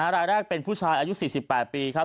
รายแรกเป็นผู้ชายอายุ๔๘ปีครับ